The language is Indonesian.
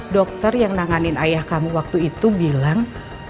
dokter yang nanganin ayah kamu waktu itu bilang